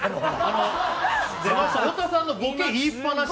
太田さんのボケ言いっ放しで。